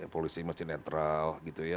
polisi masih netral gitu ya